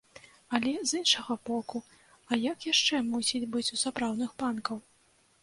Але, з іншага боку, а як яшчэ мусіць быць у сапраўдных панкаў?